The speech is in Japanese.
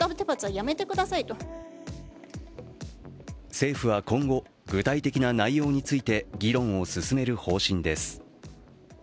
政府は今後、具体的な内容について議論を進める方針です。